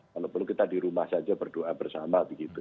walaupun kita di rumah saja berdoa bersama begitu